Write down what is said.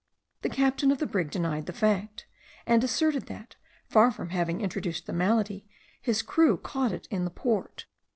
The captain of the brig denied the fact; and asserted that, far from having introduced the malady, his crew had caught it in the port.